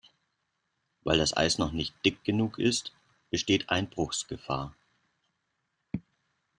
Weil das Eis noch nicht dick genug ist, besteht Einbruchsgefahr.